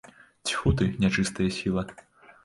Цьфу ты, нячыстая сіла!